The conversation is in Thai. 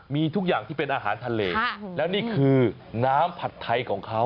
มีทุกอย่างที่เป็นอาหารทะเลแล้วนี่คือน้ำผัดไทยของเขา